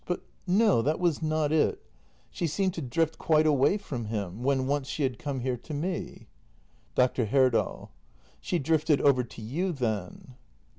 But no, that was not it. She seemed to drift quite away from h i m — when once she had come here to me. Dr. Herdal. She drifted over to you, then